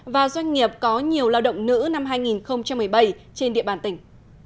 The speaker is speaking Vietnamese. và doanh nghiệp có nhiều lao động nữ năm hai nghìn một mươi bảy trên địa bàn tỉnh